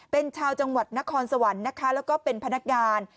เป็นชาวจังหวัดนครสวรรค์นะคะแล้วก็เป็นพนักงาน